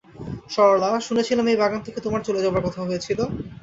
সরলা, শুনেছিলেম এই বাগান থেকে তোমার চলে যাবার কথা হয়েছিল।